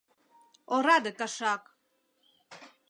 Ораде кашак!